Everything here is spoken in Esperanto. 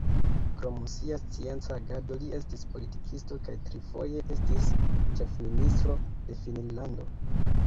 Krom sia scienca agado li estis politikisto kaj trifoje estis ĉefministro de Finnlando.